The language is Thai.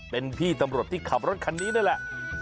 เป็นพี่ตำรวจที่ขับรถคันนี้นั่นแหละ